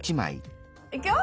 いくよ！